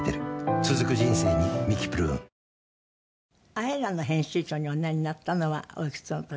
『ＡＥＲＡ』の編集長におなりになったのはおいくつの時？